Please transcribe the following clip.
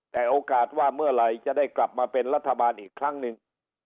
แต่โอกาสว่าเมื่อไหร่จะได้กลับมาเป็นรัฐบาลอีกครั้งหนึ่ง